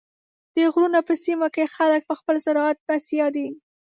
د غرونو په سیمو کې خلک په خپل زراعت بسیا دي.